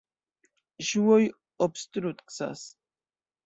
Ŝuoj obstrukcas.